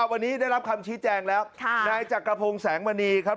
วันนี้ได้รับคำชี้แจงแล้วนายจักรพงศ์แสงมณีครับ